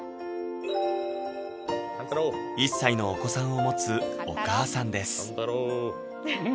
１歳のお子さんを持つお母さんです